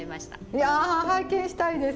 いや拝見したいです。